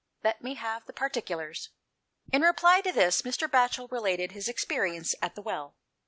" Let me have the particulars." In reply to this, Mr. Batchel related his experience at the well.